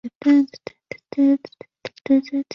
他们都有各自的专长。